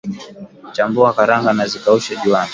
Chambua karanga na zikaushe juani